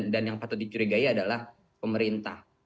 dan yang patut dicurigai adalah pemerintah